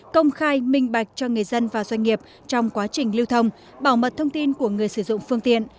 công khai minh bạch cho người dân và doanh nghiệp trong quá trình lưu thông bảo mật thông tin của người sử dụng phương tiện